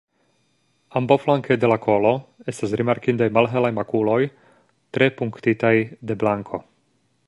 Ambaŭflanke de la kolo estas rimarkindaj malhelaj makuloj tre punktitaj de blanko.